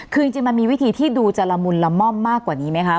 คือจริงมันมีวิธีที่ดูจะละมุนละม่อมมากกว่านี้ไหมคะ